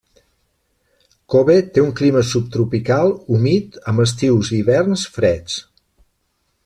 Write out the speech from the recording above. Kobe té un clima subtropical humit amb estius i hiverns freds.